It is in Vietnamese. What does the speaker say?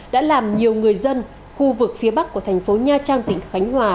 đã làm nhiều người dân khu vực phía bắc của thành phố nha trang tỉnh khánh hòa